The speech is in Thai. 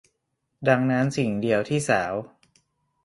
ดังนั้นสิ่งเดียวที่สาว